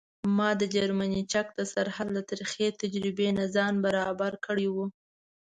ما د جرمني چک د سرحد له ترخې تجربې نه ځان برابر کړی و.